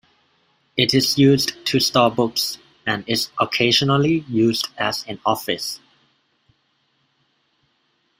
It is used to store books, and is occasionally used as an office.